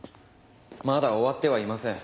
まだ終わってはいません。